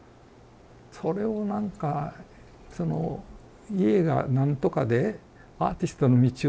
それをなんかその家がなんとかでアーティストの道をやめる。